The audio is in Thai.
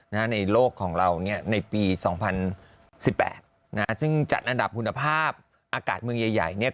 ในโลกของเราเนี่ยในปี๒๐๑๘ซึ่งจัดอันดับคุณภาพอากาศเมืองใหญ่